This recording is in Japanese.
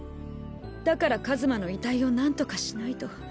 だから一馬の遺体をなんとかしないと。